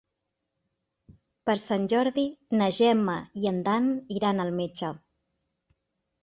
Per Sant Jordi na Gemma i en Dan iran al metge.